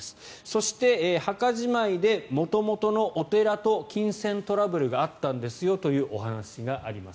そして、墓じまいで元々のお寺と金銭トラブルがあったんですよというお話があります。